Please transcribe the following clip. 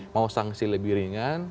mau sanksi lebih ringan